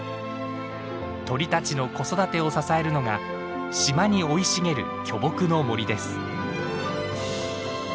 鳥たちの子育てを支えるのが島に生い茂る巨木の森です。